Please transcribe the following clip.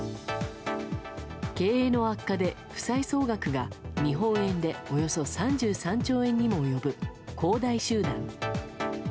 経営の悪化で負債総額が日本円でおよそ３３兆円にも及ぶ恒大集団。